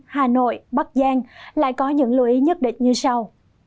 hà nội bắc giang lại có những lưu ý nhất định như sau